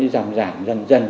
giảm giảm dần dần